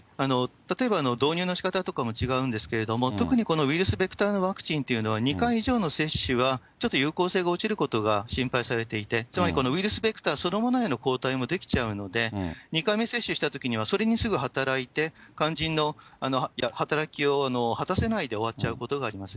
例えば、導入のしかたとかは違うんですけれども、特にこのウイルスベクターワクチンというのは、２回以上の接種は、ちょっと有効性が落ちることが心配されていて、つまり、このウイルスベクターそのものへの抗体も出来ちゃうので、２回目接種したときには、それにすぐ働いて、肝心の働きを果たせないで終わっちゃうことがあります。